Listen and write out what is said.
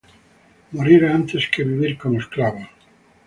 ¡morir antes que esclavos vivir!